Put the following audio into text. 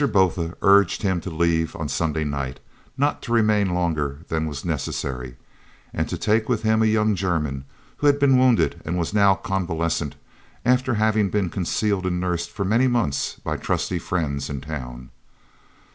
Botha urged him to leave on Sunday night, not to remain longer than was necessary, and to take with him a young German, who had been wounded and was now convalescent, after having been concealed and nursed for many months by trusty friends in town.